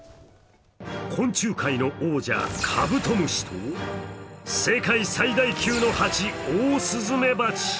昆虫界の王者カブトムシと、世界最大級のハチオオスズメバチ。